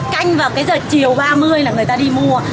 canh vào cái giờ chiều ba mươi là người ta đi mua